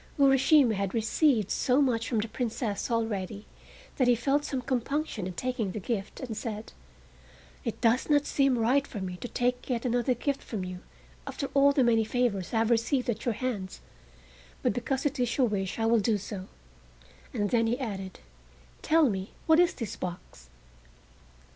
Urashima had received so much from the Princess already that he felt some compunction in taking the gift, and said: "It does not seem right for me to take yet another gift from you after all the many favors I have received at your hands, but because it is your wish I will do so," and then he added: "Tell me what is this box?"